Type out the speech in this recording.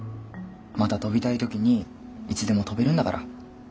また飛びたい時にいつでも飛べるんだから。